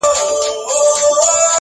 لکه اسمان چي له ملیاره سره لوبي کوي!